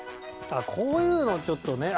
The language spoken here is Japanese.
あっこういうのもちょっとね。